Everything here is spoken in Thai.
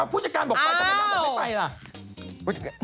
พูดจัดการจะไปแล้ว